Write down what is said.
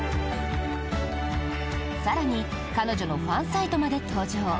更に彼女のファンサイトまで登場。